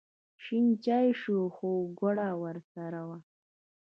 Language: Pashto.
شین چای شو خو ګوړه ورسره وه.